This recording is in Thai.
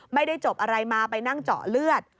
ไม่ได้จบอะไรมาไปนั่งเจาะเลือด